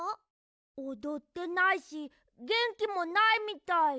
おどってないしげんきもないみたい。